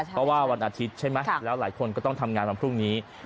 เพราะว่าวันอาทิตย์ใช่ไหมแล้วหลายคนก็ต้องทำงานวันพรุ่งนี้